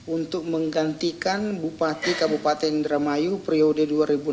untuk menggantikan bupati kabupaten indra mayu priode dua ribu enam belas dua ribu dua puluh satu